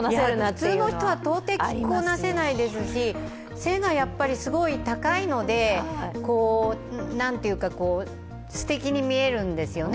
普通の人は到底着こなせないですし背がすごい高いのですてきに見えるんですよね。